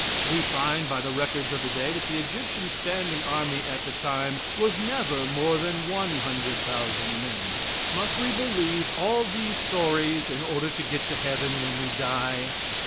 We find by the records of the day that the Egyptian standing army at that time was never more than one hundred thousand men. Must we believe all these stories in order to get to Heaven when we die?